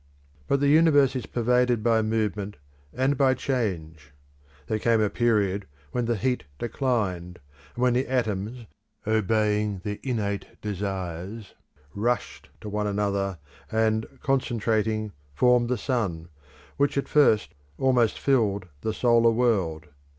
But the universe is pervaded by movement and by change; there came a period when the heat declined, and when the atoms obeying their innate desires rushed to one another, and, concentrating, formed the sun, which at first almost filled the solar world.